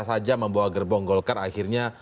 saja membawa gerbong golkar akhirnya